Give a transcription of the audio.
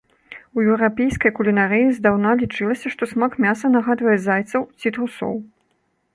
У еўрапейскай кулінарыі здаўна лічылася, што смак мяса нагадвае зайцаў ці трусоў.